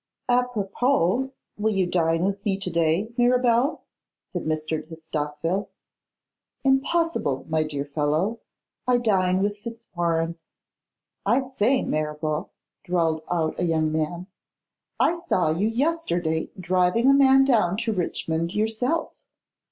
'Apropos, will you dine with me to day, Mirabel?' said Mr. de Stockville. 'Impossible, my dear fellow; I dine with Fitz warrene.' 'I say, Mirabel,' drawled out a young man, 'I saw you yesterday driving a man down to Richmond yourself.